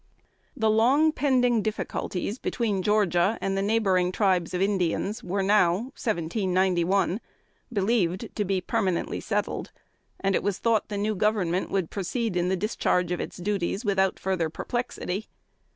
The long pending difficulties between Georgia and the neighboring tribes of Indians were now (1791) believed to be permanently settled, and it was thought the new government would proceed in the discharge of its duties without further perplexity.